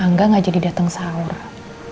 angga gak jadi dateng seharusnya